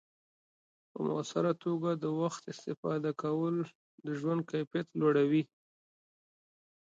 د وخت په مؤثره توګه استفاده کول د ژوند کیفیت لوړوي.